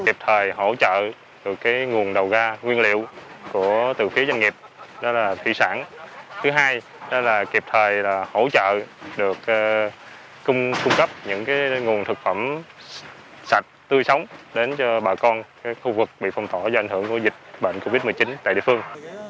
kịp thời hỗ trợ được nguồn đầu ra nguyên liệu từ phía doanh nghiệp đó là thị sản thứ hai kịp thời hỗ trợ được cung cấp những nguồn thực phẩm sạch tươi sống đến cho bà con khu vực bị phong tỏa do ảnh hưởng dịch covid một mươi chín tại địa phương